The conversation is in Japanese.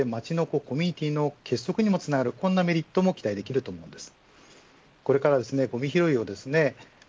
それによって町のコミュニティの結束につながるそんなメリットが期待できると思います。